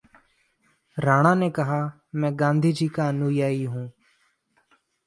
राणा ने कहा, मैं गांधी जी का अनुयायी हूं